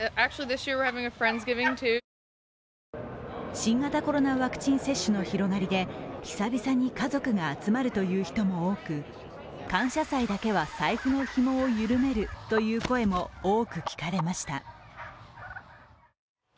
新型コロナワクチン接種の広がりで久々に家族が集まるという人も多く、感謝祭だけは財布のひもを緩めるという声も多く聞かれました。